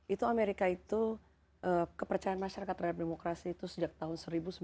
itu amerika itu kepercayaan masyarakat terhadap demokrasi itu sejak tahun seribu sembilan ratus sembilan puluh